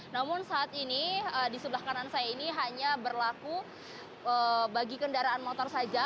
namun saat ini di sebelah kanan saya ini hanya berlaku bagi kendaraan motor saja